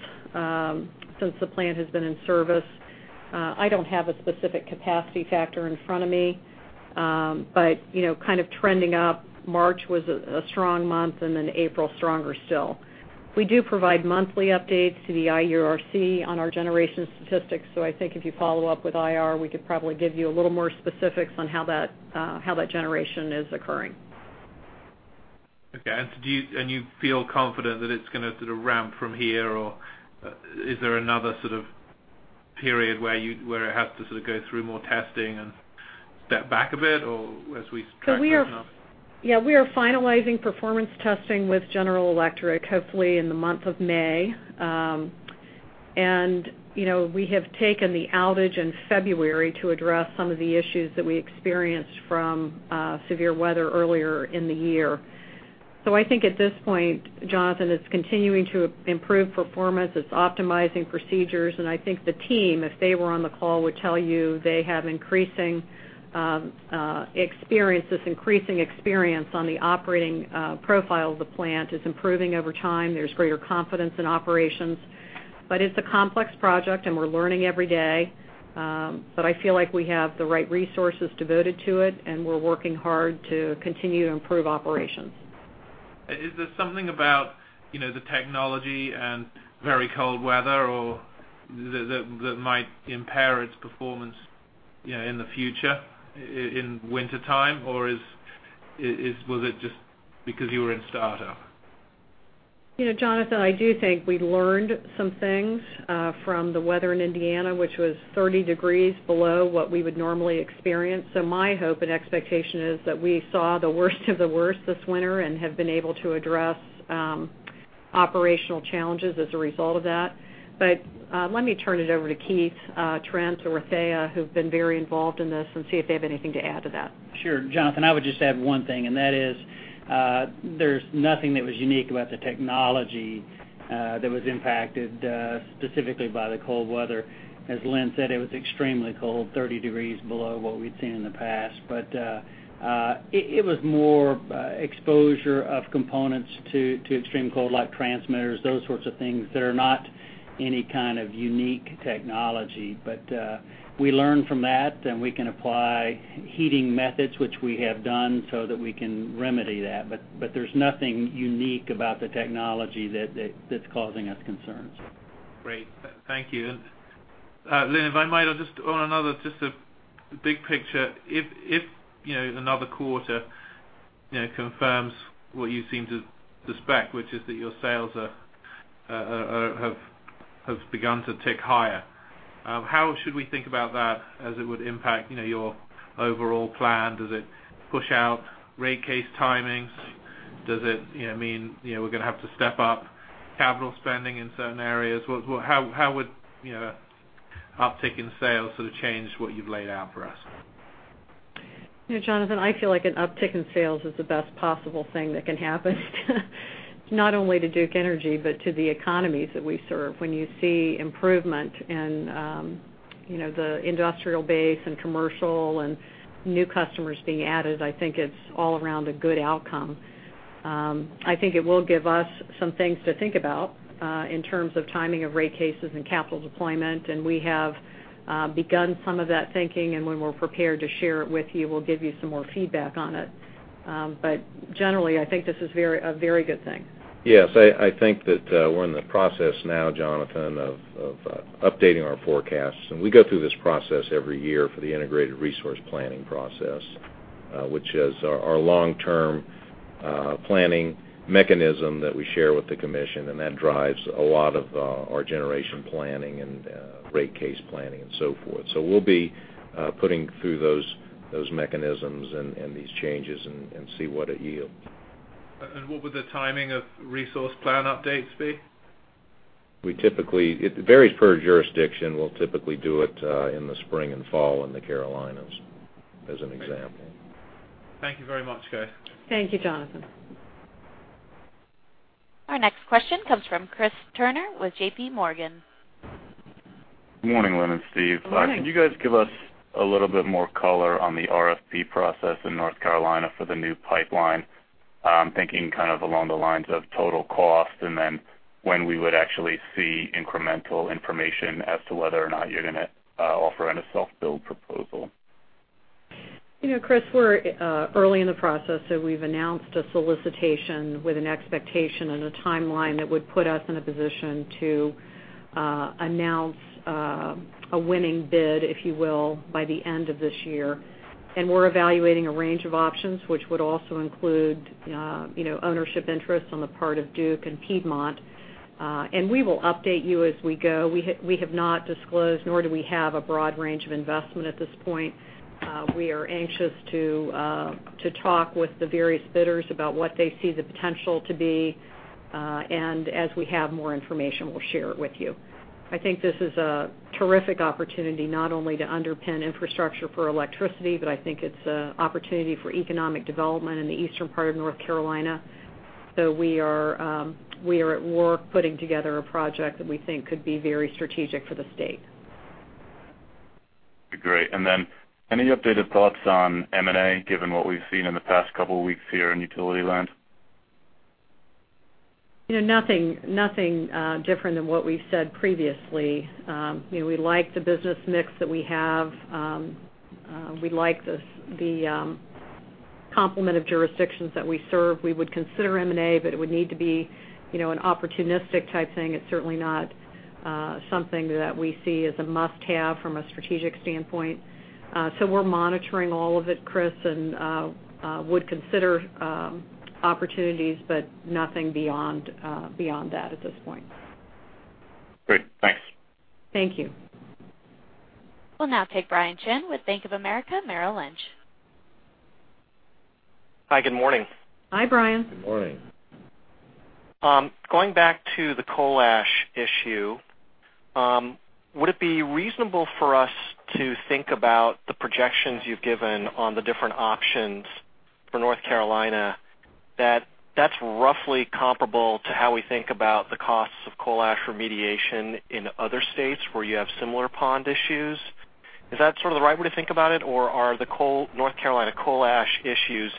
since the plant has been in service. I don't have a specific capacity factor in front of me. Kind of trending up, March was a strong month, and then April stronger still. We do provide monthly updates to the IURC on our generation statistics. I think if you follow up with IR, we could probably give you a little more specifics on how that generation is occurring. Okay. You feel confident that it's going to sort of ramp from here, or is there another sort of period where it has to sort of go through more testing and step back a bit, or as we track this now? We are finalizing performance testing with General Electric, hopefully in the month of May. We have taken the outage in February to address some of the issues that we experienced from severe weather earlier in the year. I think at this point, Jonathan, it's continuing to improve performance. It's optimizing procedures, and I think the team, if they were on the call, would tell you they have increasing experience on the operating profile of the plant. It's improving over time. There's greater confidence in operations. It's a complex project, and we're learning every day. I feel like we have the right resources devoted to it, and we're working hard to continue to improve operations. Is there something about the technology and very cold weather that might impair its performance in the future, in wintertime, or was it just because you were in startup? Jonathan, I do think we learned some things from the weather in Indiana, which was 30 degrees below what we would normally experience. My hope and expectation is that we saw the worst of the worst this winter and have been able to address operational challenges as a result of that. Let me turn it over to Keith Trent or Dhiaa Jamil, who've been very involved in this, and see if they have anything to add to that. Sure. Jonathan, I would just add one thing, and that is, there's nothing that was unique about the technology that was impacted specifically by the cold weather. As Lynn said, it was extremely cold, 30 degrees below what we'd seen in the past. It was more exposure of components to extreme cold, like transmitters, those sorts of things that are not any kind of unique technology. We learn from that, and we can apply heating methods, which we have done, so that we can remedy that. There's nothing unique about the technology that's causing us concerns. Great. Thank you. Lynn, if I might, on another, just big picture, if another quarter confirms what you seem to suspect, which is that your sales have begun to tick higher, how should we think about that as it would impact your overall plan? Does it push out rate case timings? Does it mean we're going to have to step up capital spending in certain areas? How would uptick in sales sort of change what you've laid out for us? Jonathan, I feel like an uptick in sales is the best possible thing that can happen not only to Duke Energy, but to the economies that we serve. When you see improvement in the industrial base and commercial and new customers being added, I think it's all around a good outcome. I think it will give us some things to think about in terms of timing of rate cases and capital deployment, and we have begun some of that thinking, and when we're prepared to share it with you, we'll give you some more feedback on it. Generally, I think this is a very good thing. Yes. I think that we're in the process now, Jonathan, of updating our forecasts. We go through this process every year for the Integrated Resource Planning Process, which is our long-term planning mechanism that we share with the commission, and that drives a lot of our generation planning and rate case planning and so forth. We'll be putting through those mechanisms and these changes and see what it yields. What would the timing of resource plan updates be? It varies per jurisdiction. We'll typically do it in the spring and fall in the Carolinas, as an example. Thank you very much, guys. Thank you, Jonathan. Our next question comes from Chris Turner with J.P. Morgan. Morning, Lynn and Steve. Morning. Could you guys give us a little bit more color on the RFP process in North Carolina for the new pipeline? I'm thinking kind of along the lines of total cost, and then when we would actually see incremental information as to whether or not you're going to offer any soft bill proposal. Chris, we're early in the process. We've announced a solicitation with an expectation and a timeline that would put us in a position to announce a winning bid, if you will, by the end of this year. We're evaluating a range of options, which would also include ownership interest on the part of Duke and Piedmont. We will update you as we go. We have not disclosed, nor do we have a broad range of investment at this point. We are anxious to talk with the various bidders about what they see the potential to be. As we have more information, we'll share it with you. I think this is a terrific opportunity, not only to underpin infrastructure for electricity, but I think it's an opportunity for economic development in the eastern part of North Carolina. We are at work putting together a project that we think could be very strategic for the state. Great. Any updated thoughts on M&A, given what we've seen in the past couple of weeks here in utility land? Nothing different than what we've said previously. We like the business mix that we have. We like the complement of jurisdictions that we serve. We would consider M&A, it would need to be an opportunistic type thing. It's certainly not something that we see as a must-have from a strategic standpoint. We're monitoring all of it, Chris, and would consider opportunities, but nothing beyond that at this point. Great. Thanks. Thank you. We'll now take Brian Chin with Bank of America Merrill Lynch. Hi, good morning. Hi, Brian. Good morning. Going back to the coal ash issue, would it be reasonable for us to think about the projections you've given on the different options for North Carolina, that's roughly comparable to how we think about the costs of coal ash remediation in other states where you have similar pond issues? Is that sort of the right way to think about it? Or are the North Carolina coal ash issues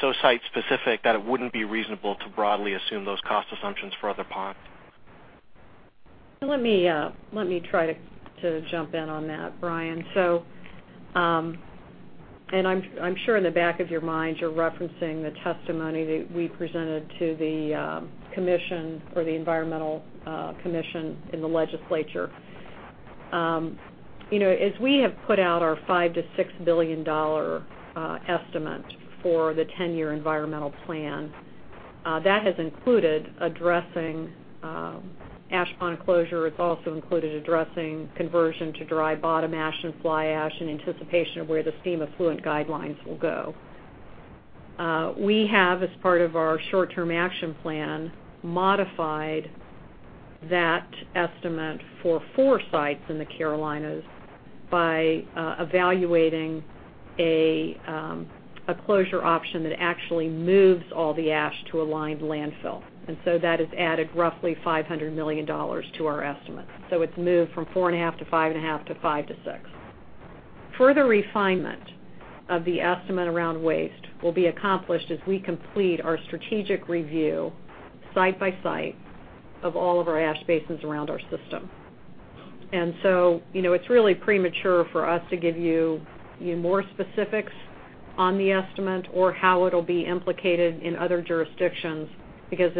so site-specific that it wouldn't be reasonable to broadly assume those cost assumptions for other ponds? Let me try to jump in on that, Brian. I'm sure in the back of your mind, you're referencing the testimony that we presented to the commission or the Environmental Commission in the legislature. We have put out our $5 billion to $6 billion estimate for the 10-year environmental plan, that has included addressing ash pond closure. It's also included addressing conversion to dry bottom ash and fly ash in anticipation of where the Steam Effluent Guidelines will go. We have, as part of our short-term action plan, modified that estimate for four sites in the Carolinas by evaluating a closure option that actually moves all the ash to a lined landfill. That has added roughly $500 million to our estimate. It's moved from $4.5 billion to $5.5 billion to $5 billion to $6 billion. Further refinement of the estimate around waste will be accomplished as we complete our strategic review, site by site, of all of our ash basins around our system. It's really premature for us to give you more specifics on the estimate or how it'll be implicated in other jurisdictions, because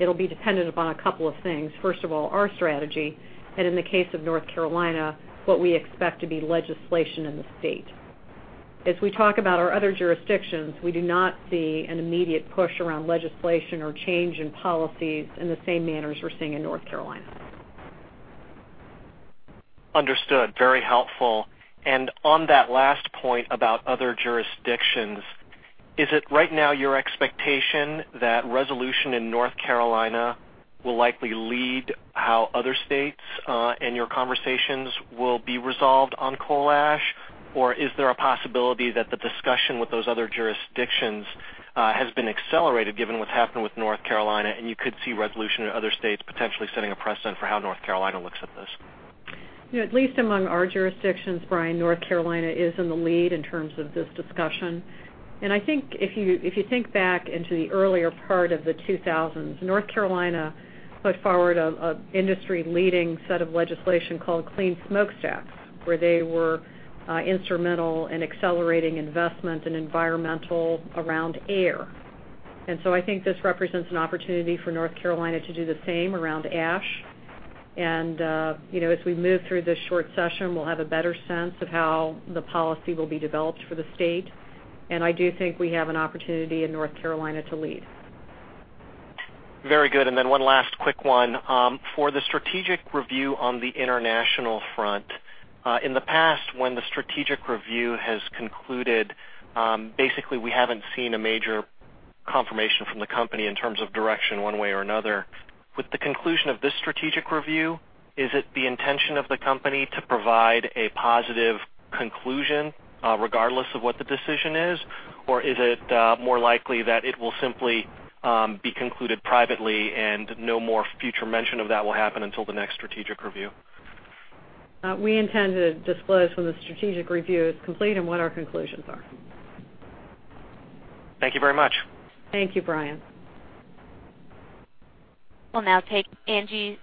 it'll be dependent upon a couple of things. First of all, our strategy, and in the case of North Carolina, what we expect to be legislation in the state. As we talk about our other jurisdictions, we do not see an immediate push around legislation or change in policies in the same manner as we're seeing in North Carolina. Understood. Very helpful. On that last point about other jurisdictions, is it right now your expectation that resolution in North Carolina will likely lead how other states and your conversations will be resolved on coal ash? Or is there a possibility that the discussion with those other jurisdictions has been accelerated given what's happened with North Carolina, and you could see resolution in other states potentially setting a precedent for how North Carolina looks at this? At least among our jurisdictions, Brian, North Carolina is in the lead in terms of this discussion. I think if you think back into the earlier part of the 2000s, North Carolina put forward an industry-leading set of legislation called Clean Smokestacks, where they were instrumental in accelerating investment in environmental around air. I think this represents an opportunity for North Carolina to do the same around ash. As we move through this short session, we will have a better sense of how the policy will be developed for the state. I do think we have an opportunity in North Carolina to lead. Very good. Then one last quick one. For the strategic review on the international front, in the past when the strategic review has concluded, basically we haven't seen a major confirmation from the company in terms of direction one way or another. With the conclusion of this strategic review, is it the intention of the company to provide a positive conclusion regardless of what the decision is, or is it more likely that it will simply be concluded privately and no more future mention of that will happen until the next strategic review? We intend to disclose when the strategic review is complete and what our conclusions are. Thank you very much. Thank you, Brian. We'll now take Angie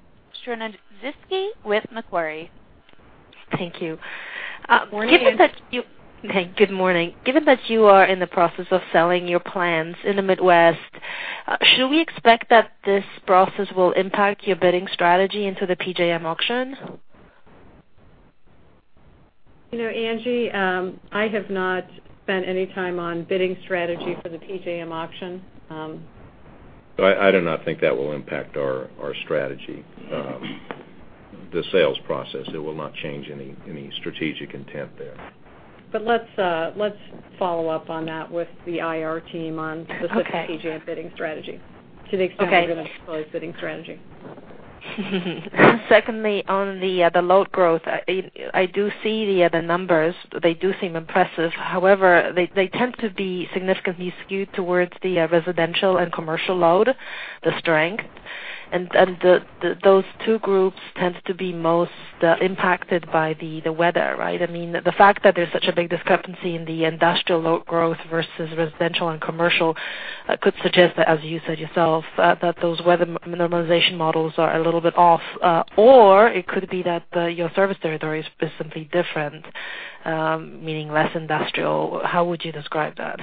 Storozynski with Macquarie. Thank you. Morning, Angie. Good morning. Given that you are in the process of selling your plants in the Midwest, should we expect that this process will impact your bidding strategy into the PJM auction? Angie, I have not spent any time on bidding strategy for the PJM auction. I do not think that will impact our strategy. The sales process, it will not change any strategic intent there. Let's follow up on that with the IR team. Okay specific PJM bidding strategy to the extent Okay we're going to disclose bidding strategy. Secondly, on the load growth, I do see the numbers. They do seem impressive. However, they tend to be significantly skewed towards the residential and commercial load, the strength, and those two groups tend to be most impacted by the weather, right? I mean, the fact that there's such a big discrepancy in the industrial load growth versus residential and commercial That could suggest that, as you said yourself, that those weather normalization models are a little bit off, or it could be that your service territory is simply different, meaning less industrial. How would you describe that?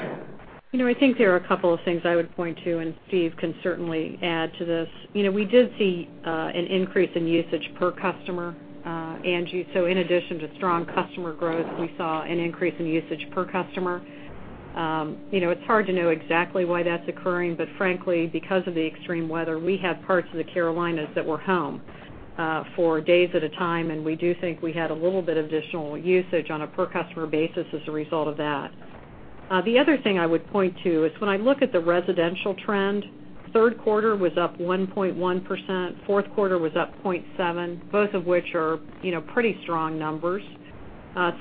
I think there are a couple of things I would point to. Steve can certainly add to this. We did see an increase in usage per customer, Angie. In addition to strong customer growth, we saw an increase in usage per customer. It's hard to know exactly why that's occurring, but frankly, because of the extreme weather, we had parts of the Carolinas that were home for days at a time, and we do think we had a little bit of additional usage on a per-customer basis as a result of that. The other thing I would point to is when I look at the residential trend, third quarter was up 1.1%, fourth quarter was up 0.7%, both of which are pretty strong numbers.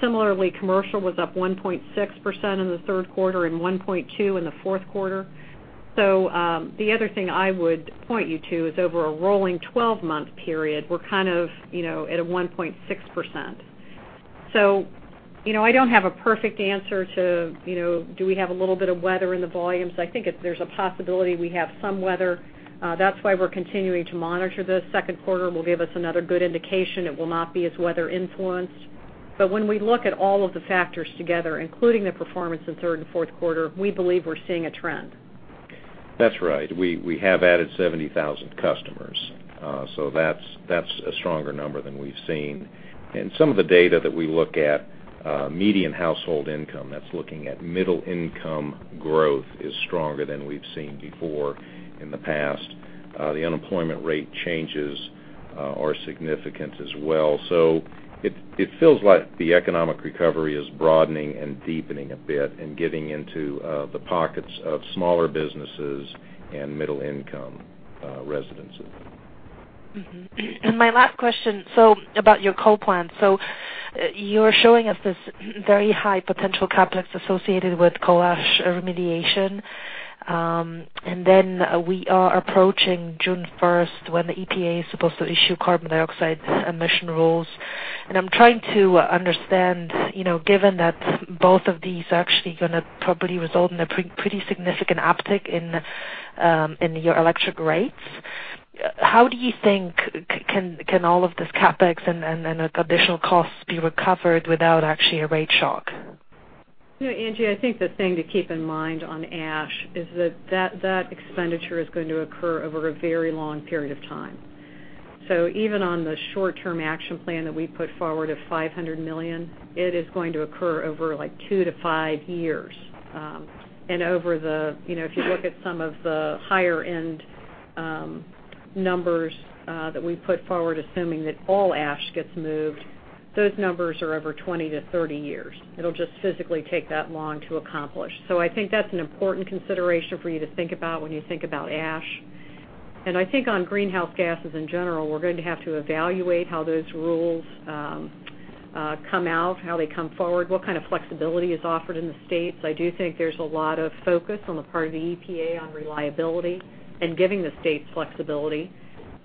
Similarly, commercial was up 1.6% in the third quarter and 1.2% in the fourth quarter. The other thing I would point you to is over a rolling 12-month period, we're kind of at a 1.6%. I don't have a perfect answer to, do we have a little bit of weather in the volumes? I think there's a possibility we have some weather. That's why we're continuing to monitor this. Second quarter will give us another good indication. It will not be as weather-influenced. When we look at all of the factors together, including the performance in third and fourth quarter, we believe we're seeing a trend. That's right. We have added 70,000 customers, so that's a stronger number than we've seen. Some of the data that we look at, median household income, that's looking at middle income growth, is stronger than we've seen before in the past. The unemployment rate changes are significant as well. It feels like the economic recovery is broadening and deepening a bit and getting into the pockets of smaller businesses and middle-income residences. My last question, about your coal plant. You're showing us this very high potential CapEx associated with coal ash remediation. Then we are approaching June 1st when the EPA is supposed to issue carbon dioxide emission rules. I'm trying to understand, given that both of these are actually going to probably result in a pretty significant uptick in your electric rates, how do you think can all of this CapEx and additional costs be recovered without actually a rate shock? Angie, I think the thing to keep in mind on ash is that that expenditure is going to occur over a very long period of time. Even on the short-term action plan that we put forward of $500 million, it is going to occur over two to five years. If you look at some of the higher-end numbers that we put forward, assuming that all ash gets moved, those numbers are over 20 to 30 years. It'll just physically take that long to accomplish. I think that's an important consideration for you to think about when you think about ash. I think on greenhouse gases in general, we're going to have to evaluate how those rules come out, how they come forward, what kind of flexibility is offered in the states. I do think there's a lot of focus on the part of the EPA on reliability and giving the states flexibility.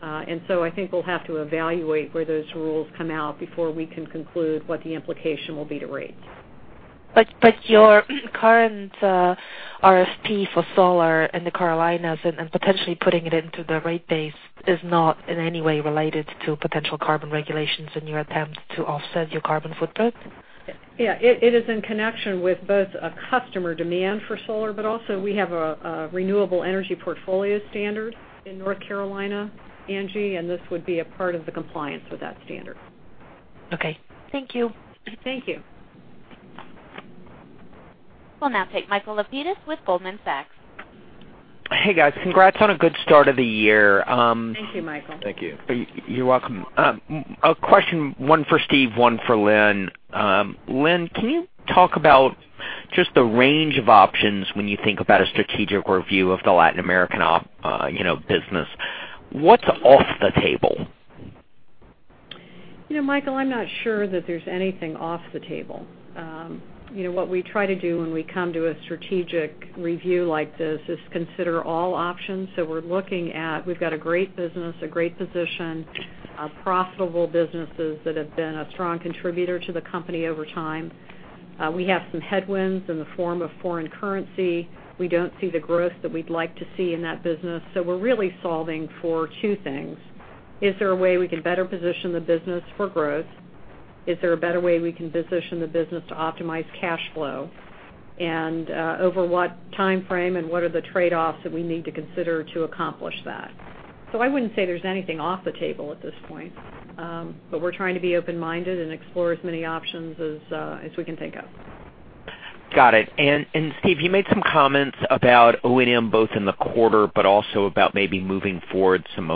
I think we'll have to evaluate where those rules come out before we can conclude what the implication will be to rates. Your current RFP for solar in the Carolinas and potentially putting it into the rate base is not in any way related to potential carbon regulations in your attempt to offset your carbon footprint? Yeah, it is in connection with both a customer demand for solar, but also we have a renewable energy portfolio standard in North Carolina, Angie, and this would be a part of the compliance with that standard. Okay. Thank you. Thank you. We'll now take Michael Lapides with Goldman Sachs. Hey, guys. Congrats on a good start of the year. Thank you, Michael. Thank you. You're welcome. A question, one for Steve, one for Lynn. Lynn, can you talk about just the range of options when you think about a strategic review of the Latin American business? What's off the table? Michael, I'm not sure that there's anything off the table. What we try to do when we come to a strategic review like this is consider all options. We've got a great business, a great position, profitable businesses that have been a strong contributor to the company over time. We have some headwinds in the form of foreign currency. We don't see the growth that we'd like to see in that business. We're really solving for two things. Is there a way we can better position the business for growth? Is there a better way we can position the business to optimize cash flow? Over what timeframe and what are the trade-offs that we need to consider to accomplish that? I wouldn't say there's anything off the table at this point. We're trying to be open-minded and explore as many options as we can think of. Got it. Steve, you made some comments about O&M both in the quarter, also about maybe moving forward some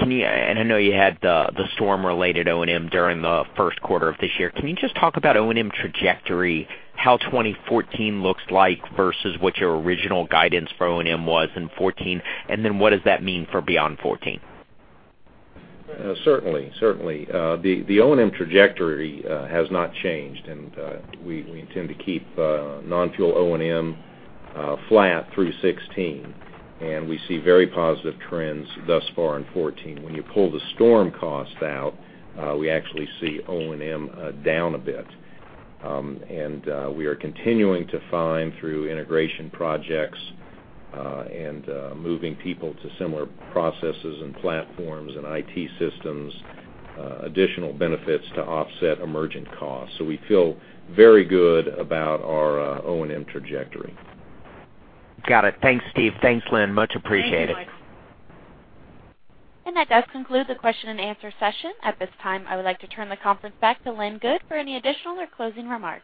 O&M. I know you had the storm-related O&M during the first quarter of this year. Can you just talk about O&M trajectory, how 2014 looks like versus what your original guidance for O&M was in 2014, then what does that mean for beyond 2014? Certainly. The O&M trajectory has not changed, we intend to keep non-fuel O&M flat through 2016. We see very positive trends thus far in 2014. When you pull the storm cost out, we actually see O&M down a bit. We are continuing to find, through integration projects and moving people to similar processes and platforms and IT systems, additional benefits to offset emergent costs. We feel very good about our O&M trajectory. Got it. Thanks, Steve. Thanks, Lynn. Much appreciated. Thank you, Michael. That does conclude the question and answer session. At this time, I would like to turn the conference back to Lynn Good for any additional or closing remarks.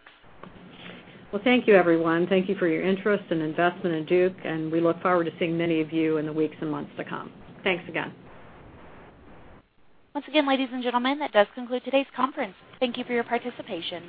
Well, thank you, everyone. Thank you for your interest and investment in Duke, we look forward to seeing many of you in the weeks and months to come. Thanks again. Once again, ladies and gentlemen, that does conclude today's conference. Thank you for your participation.